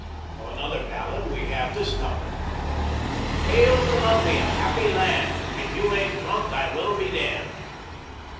57 Of another ballad we have this couplet :" Hail Columbia, happy land, If you aint drunk I will be damned."